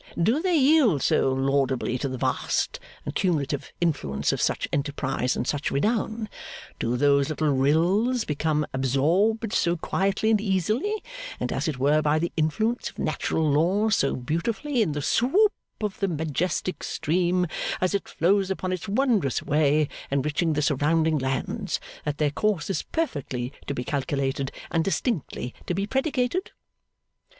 Do they yield so laudably to the vast and cumulative influence of such enterprise and such renown; do those little rills become absorbed so quietly and easily, and, as it were by the influence of natural laws, so beautifully, in the swoop of the majestic stream as it flows upon its wondrous way enriching the surrounding lands; that their course is perfectly to be calculated, and distinctly to be predicated?